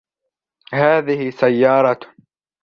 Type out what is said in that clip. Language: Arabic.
هذه سيارة.